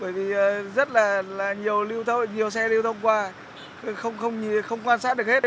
bởi vì rất là nhiều xe lưu thông qua không quan sát được hết